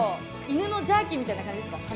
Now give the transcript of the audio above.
犬のジャーキーみたいな感じですか？